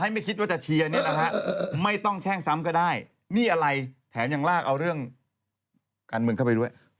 ไม่ต้องแช่งซ้ำก็ได้นี่อะไรแถมยังลากเอาเรื่องการเมืองเข้าไปด้วย